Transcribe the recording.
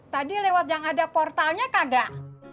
tadi lewat yang ada portalnya kak kak